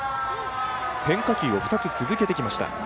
変化球を２つ続けてきました。